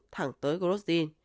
thẳng tới zyugosti